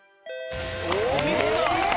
お見事！